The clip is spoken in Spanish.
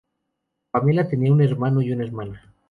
Pamela tenía un hermano y una hermana.